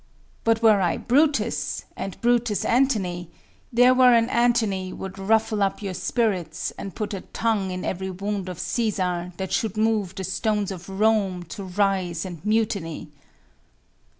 But were I Brutus, And Brutus Antony, there were an Antony Would ruffle up your spirits, and put a tongue In every wound of Cæsar, that should move The stones of Rome to rise and mutiny.